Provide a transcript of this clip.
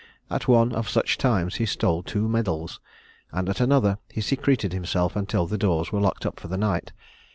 At one of such times he stole two medals, and at another he secreted himself until the doors were locked for the night.